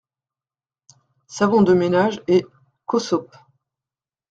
Savon de ménage et : Cossoap.